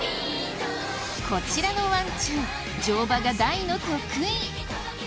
こちらのワンちゃん乗馬が大の得意！